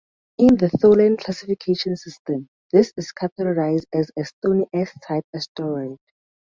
In the Tholen classification system, this is categorized as a stony S-type asteroid.